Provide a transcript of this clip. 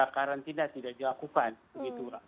karantina tidak dilakukan begitu